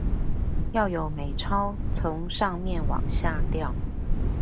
要有美鈔從上面往下掉